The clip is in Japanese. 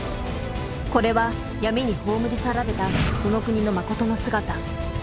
これは闇に葬り去られたこの国のまことの姿。